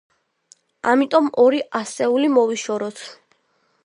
ამიტომ ორი ასეული მოვიშოროთ.